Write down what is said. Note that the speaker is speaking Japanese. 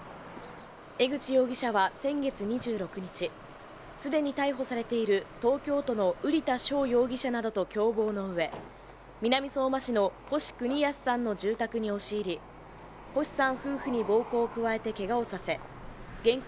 江口容疑者は先月２６日、既に逮捕されている東京都の瓜田翔容疑者などと共謀のうえ南相馬市の星邦康さんの住宅に押し入り星さん夫婦に暴行を加えてけがをさせ現金